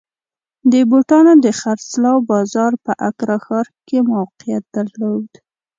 د بوټانو د خرڅلاو بازار په اکرا ښار کې موقعیت درلود.